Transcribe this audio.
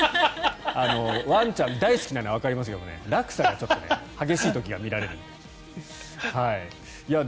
ワンちゃん大好きなのはわかりますけど落差がちょっと激しい時が見られるので。